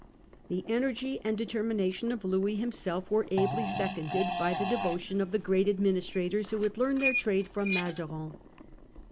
The energy and determination of Louis himself were ably seconded by the devotion of the great administrators who Colbert and had learned their trade from Mazarin.